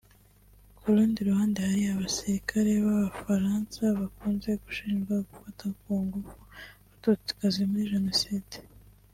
Ku rundi ruhande hari abasirikare b’Abafaransa bakunze gushinjwa gufata ku ngufu Abatutsikazi muri Jenoside